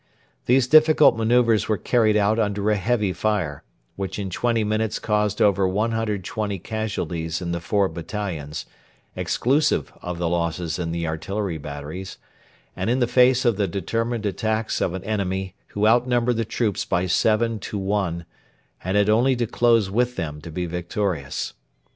These difficult manœuvres were carried out under a heavy fire, which in twenty minutes caused over 120 casualties in the four battalions exclusive of the losses in the artillery batteries and in the face of the determined attacks of an enemy who outnumbered the troops by seven to one and had only to close with them to be victorious.